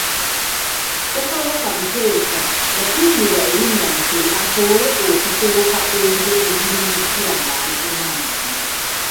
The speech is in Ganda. Ssekabaka Muteesa yatuumibwa erinnya Mutebi asobole okutebuka enkwe ezirimujjira ng’ali ku Namulondo.